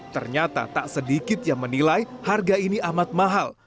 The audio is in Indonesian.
ternyata tak sedikit yang menilai harga ini amat mahal